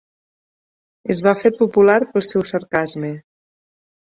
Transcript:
Es va fer popular pel seu sarcasme.